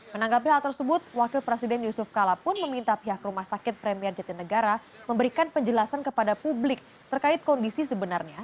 menanggapi hal tersebut wakil presiden yusuf kala pun meminta pihak rumah sakit premier jatinegara memberikan penjelasan kepada publik terkait kondisi sebenarnya